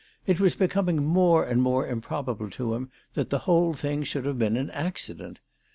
It was becomiDg more and more improbable to him that the whole thing should have been an accident.